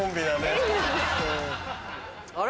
あれ？